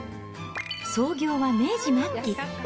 創業は明治末期。